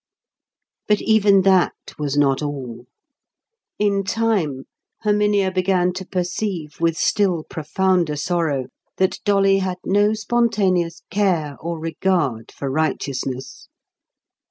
But even that was not all. In time, Herminia began to perceive with still profounder sorrow that Dolly had no spontaneous care or regard for righteousness.